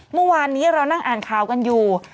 เมื่อวานนี้เรานั่งอ่านข่าวกันอยู่